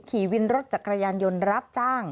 ขี่รถจักรยานยนต์รับจ้าง